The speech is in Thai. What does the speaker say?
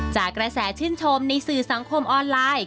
กระแสชื่นชมในสื่อสังคมออนไลน์